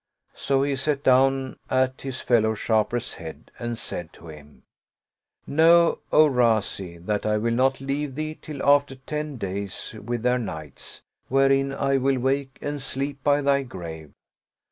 So he sat down ai his fellow sharper's head, and said to him, " Know, O Razi, that I will not leave thee till after ten days with their nights, wherein I will wake and sleep by thy grave.